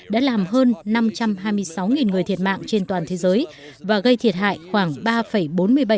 đã làm hơn năm trăm hai mươi sáu người thiệt mạng trên toàn thế giới và gây thiệt hại khoảng một người